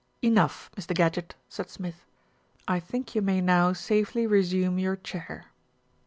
"Enough, Mr. Gadgett," said Smith. "I think you may now safely resume your chair."